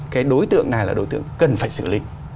cái đối tượng này là đối tượng cần phải xử lý